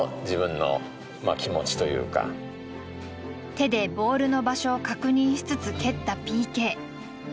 手でボールの場所を確認しつつ蹴ったＰＫ。